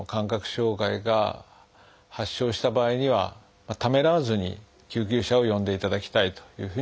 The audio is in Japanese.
障害が発症した場合にはためらわずに救急車を呼んでいただきたいというふうに思います。